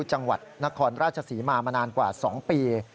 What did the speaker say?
จังหวัดนครราชศรีมามานานกว่า๒ปี